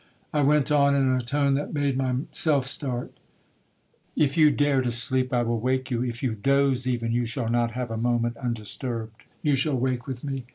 I went on, in a tone that made myself start, 'If you dare to sleep, I will wake you,—if you dose even, you shall not have a moment undisturbed,—you shall wake with me.